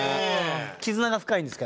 絆が深いんですか？